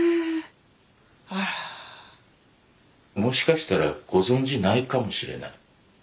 もしかしたらご存じないかもしれない。